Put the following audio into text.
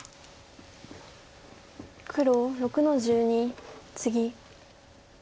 黒６の十二ツギ。